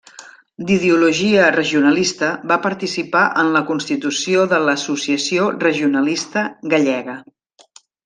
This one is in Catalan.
D'ideologia regionalista va participar en la constitució de l'Associació Regionalista Gallega.